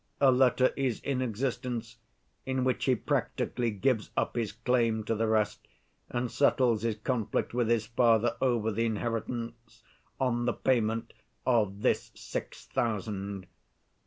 A letter is in existence in which he practically gives up his claim to the rest and settles his conflict with his father over the inheritance on the payment of this six thousand.